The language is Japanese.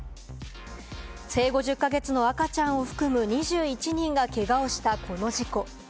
生後１０か月の赤ちゃんを含む２１人がけがをしたこの事故。